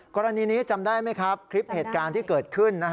กรณีนี้จำได้ไหมครับคลิปเหตุการณ์ที่เกิดขึ้น